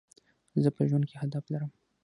زه په ژوند کي هدف لرم.